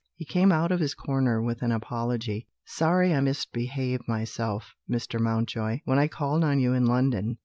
He came out of his corner with an apology: "Sorry I misbehaved myself, Mr. Mountjoy, when I called on you in London.